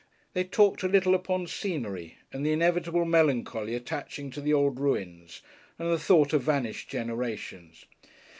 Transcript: They talked a little upon scenery and the inevitable melancholy attaching to the old ruins and the thought of vanished generations.